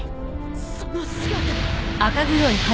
その姿。